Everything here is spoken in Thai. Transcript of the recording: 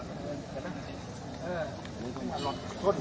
กับเหตุศาสตร์ที่เป็นการรักษราบ